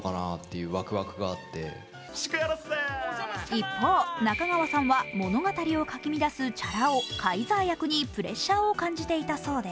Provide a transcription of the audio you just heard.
一方、中川さんは物語をかきみだすチャラ男、皇帝役にプレッシャーを感じていたそうで